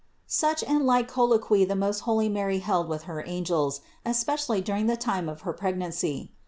248. Such and like colloquy the most holy Mary held with her angels, especially during the time of her preg # 202 CITY OF GOD nancy.